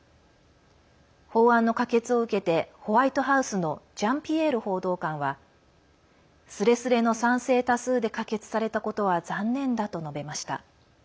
法案の可決を受けてホワイトハウスのジャンピエール報道官はすれすれの賛成多数で可決されたことは残念だと述べました。